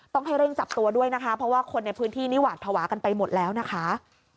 ต้องให้เร่งจับตัวด้วยนะคะเพราะว่าคนในพื้นที่นี่หวาดภาวะกันไปหมดแล้วนะคะ